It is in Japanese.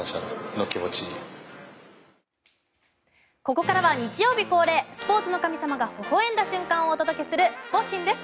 ここからは日曜日恒例スポーツの神様がほほ笑んだ瞬間をお届けするスポ神です。